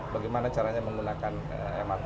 bagaimana caranya menggunakan mrt